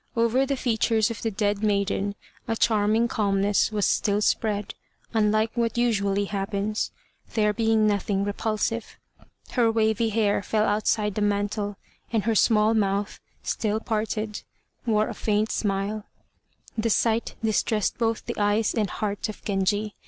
Over the features of the dead maiden a charming calmness was still spread, unlike what usually happens, there being nothing repulsive. Her wavy hair fell outside the mantle, and her small mouth, still parted, wore a faint smile. The sight distressed both the eyes and heart of Genji.